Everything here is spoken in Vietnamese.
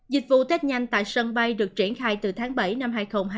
dịch vụ test nhanh tại sân bay được triển khai từ tháng bảy năm hai nghìn hai mươi một